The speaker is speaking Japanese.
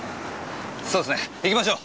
そうですね行きましょう。